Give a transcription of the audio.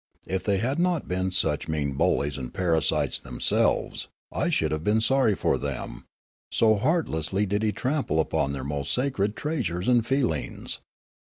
If they had not been such mean bullies and parasites Foolgar 235 themselves, I should have been sorry for them, so heart lessly did he trample upon their most sacred treasures and feelings.